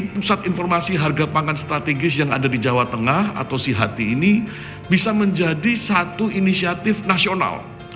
pusat informasi harga pangan strategis yang ada di jawa tengah atau sih hati ini bisa menjadi satu inisiatif nasional